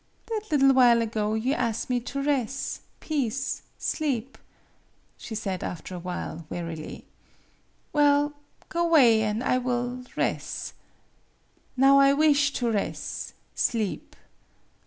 That liddle while ago you as' me to res' peace sleep," she said after a while, wearily. " Well, go 'way, an' I will res'. Now I wish to res' sleep.